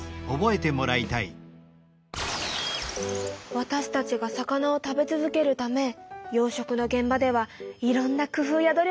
わたしたちが魚を食べ続けるため養しょくのげん場ではいろんな工夫や努力をしているのね。